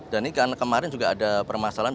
dan ini karena kemarin juga ada permasalahan